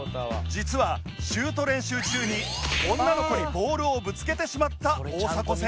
実はシュート練習中に女の子にボールをぶつけてしまった大迫選手